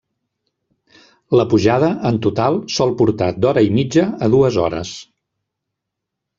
La pujada en total sol portar d'hora i mitja a dues hores.